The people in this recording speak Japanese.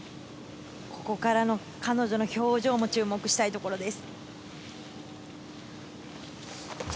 ここからの彼女の表情も注目したいところです。